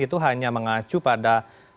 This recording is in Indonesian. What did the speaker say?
itu hanya mengacu pada